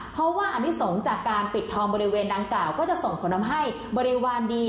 เพราะว่าอนิสงฆ์จากการปิดทองบริเวณดังกล่าวก็จะส่งผลทำให้บริวารดี